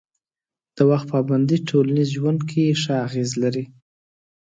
د وخت پابندي ټولنیز ژوند کې ښه اغېز لري.